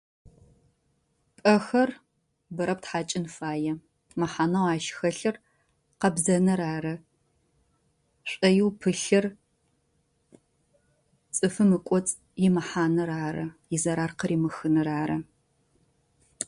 ПӀэхэр бэрэ птхьэкӏын фае мэхьанэу ащ хэлъэр къэбзэнэр ары. Шӏойӏеу пылъэр цыфым икӏоц имыхьэнэр ары. Изарар къыримыхынэр ары.